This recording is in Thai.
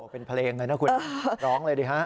เป็นเพลงเลยนะคุณร้องเลยดิฮะ